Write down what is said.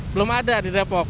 belum ada di depok